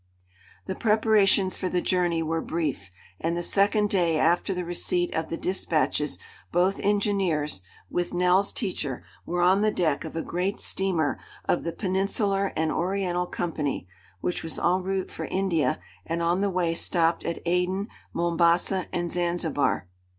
The preparations for the journey were brief, and the second day after the receipt of the despatches both engineers, with Nell's teacher, were on the deck of a great steamer of the "Peninsular and Oriental Company," which was en route for India and on the way stopped at Aden, Mombasa, and Zanzibar.